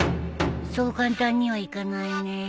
そう簡単にはいかないね。